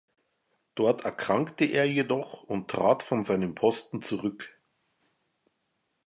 Dort erkrankte er jedoch und trat von seinem Posten zurück.